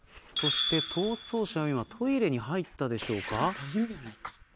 そして逃走者は今トイレに入ったでしょうか。